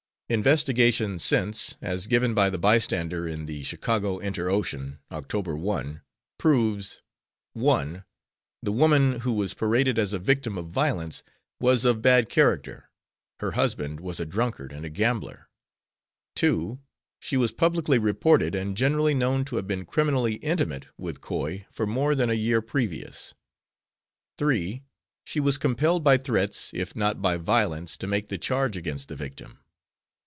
Investigation since as given by the Bystander in the Chicago Inter Ocean, October 1, proves: 1. The woman who was paraded as a victim of violence was of bad character; her husband was a drunkard and a gambler. 2. She was publicly reported and generally known to have been criminally intimate with Coy for more than a year previous. 3. She was compelled by threats, if not by violence, to make the charge against the victim.